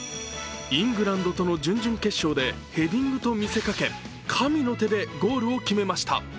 イングランドとの準々決勝でヘディングと見せかけ、神の手で、ゴールを決めました。